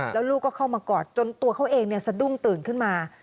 แล้วลูกก็เข้ามากอดจนตัวเขาเองสะดุ้งตื่นขึ้นมา